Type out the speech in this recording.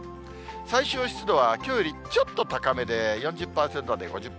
最小湿度は、きょうよりちょっと高めで４０％台、５０％台。